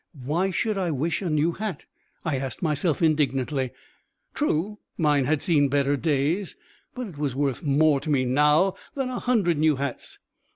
Why should I wish a new hat? I asked myself indignantly. True, mine had seen better days, but it was worth more to me now than a hundred new hats.